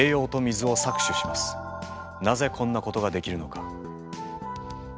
なぜこんなことができるのか？